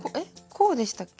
こうでしたっけ？